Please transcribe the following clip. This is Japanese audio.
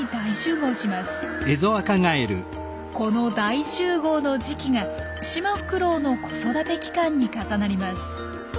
この大集合の時期がシマフクロウの子育て期間に重なります。